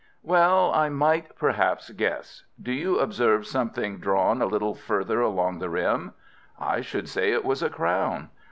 "Well, I might, perhaps, guess. Do you observe something drawn a little further along the rim?" "I should say it was a crown."